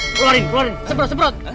keluarin keluarin semprot semprot